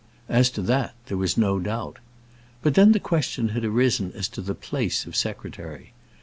As to that there was no doubt. But then the question had arisen as to the place of secretary.